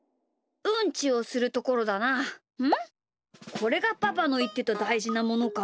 これがパパのいってただいじなものか。